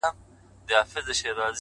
د ژوند له خوندونو هم بی برخي پاته سي